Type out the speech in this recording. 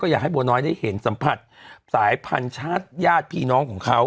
อยากให้บัวน้อยได้เห็นสัมผัสสายพันธุ์ชาติญาติพี่น้องของเขา